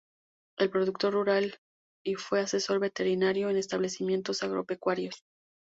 Es productor rural y fue asesor veterinario en establecimientos agropecuarios.